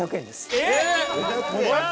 えっ！